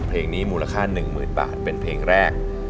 เพลงนี้มูลค่า๑๐๐๐บาทเป็นเพลงแรก